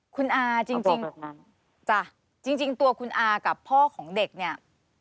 คุณอาจริงจ้ะจริงตัวคุณอากับพ่อของเด็กเนี่ย